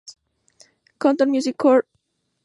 Countdown", "Music Core", "Inkigayo" y "The Show".